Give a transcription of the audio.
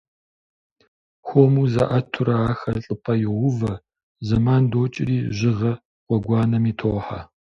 Хуэму заIэтурэ ахэр лIыпIэ йоувэ, зэман докIри жьыгъэ гъуэгуанэми тохьэ.